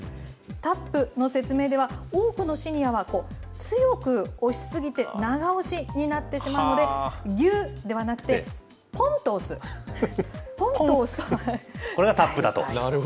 タップの説明では、多くのシニアはこう、強く押し過ぎて長押しになってしまうので、ギュっではなくて、これがタップだと。